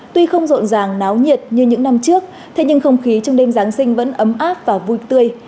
tuy không rộn ràng náo nhiệt như những năm trước thế nhưng không khí trong đêm giáng sinh vẫn ấm áp và vui tươi